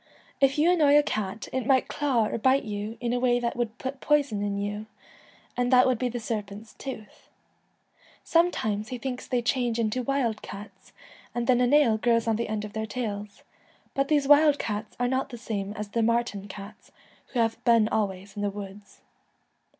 If you annoy a cat it might claw or bite you in a way that would put poison in you, and that would be the serpent's tooth.' Sometimes he thinks they change into wild cats, and then a nail grows on the end of their tails ; but these wild cats are not the same as the marten cats, who have been always in the woods.